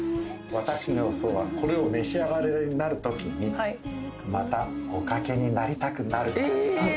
私の予想はこれを召し上がりになるときにまたおかけになりたくなるええー？